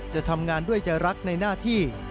จะทำงานด้วยใจรักในหน้าที่